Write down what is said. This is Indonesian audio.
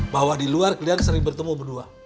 bahwa diluar kalian sering bertemu berdua